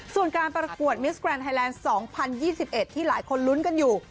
ส่วนการประกวดมิสแกรนดไทยแลนด์๒๐๒๑ที่หลายคนลุ้นกันอยู่